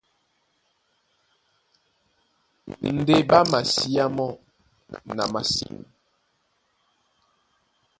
Ndé ɓá masiá mɔ́ na masîn.